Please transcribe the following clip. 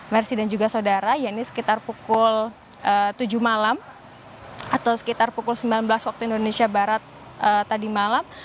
mercy dan juga saudara ya ini sekitar pukul tujuh malam atau sekitar pukul sembilan belas waktu indonesia barat tadi malam